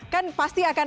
kan pasti akan